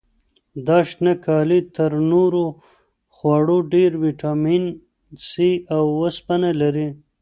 دا شنه کالي تر نورو خوړو ډېر ویټامین سي او وسپنه لري.